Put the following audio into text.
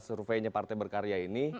surveinya partai berkarya ini